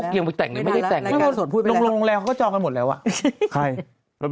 เขาให้หนูพูดได้ไม่เนี่ย